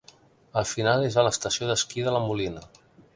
El final és a l'estació d'esquí de La Molina.